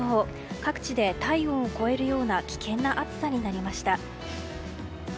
各地で体温を超えるような危険な暑さとなりました。